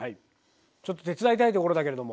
ちょっと手伝いたいところだけれども。